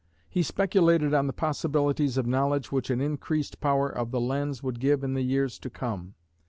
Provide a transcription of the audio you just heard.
He speculated on the possibilities of knowledge which an increased power of the lens would give in the years to come.